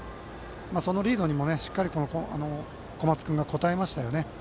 そのリードにも、しっかり小松君が応えましたよね。